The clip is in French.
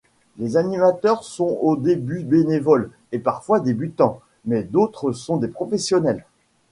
Les animateurs sont au début bénévoles et parfois débutants mais d'autres sont des professionnels.